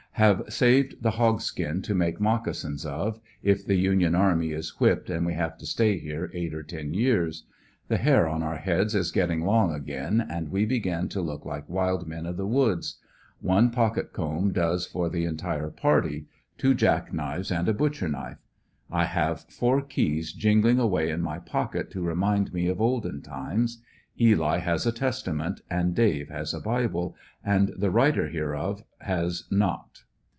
Have saved the hog skin to make moccasins of, if the Union army is whipped and we have to stay here eight or ten years. The hair on our heads is getting long again, and we be gin to look like wild men of the woods. One pocket comb does for the entire party ; two jack knives and a butcher knife. I have four keys jingling away in my pocket to remind me of olden times. Eli has a testament and Dave has a bible, and the writer hereof has not.